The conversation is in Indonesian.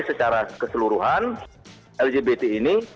secara keseluruhan lgbt ini